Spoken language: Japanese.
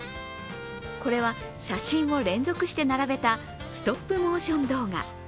これは写真を連続して並べたストップモーション動画。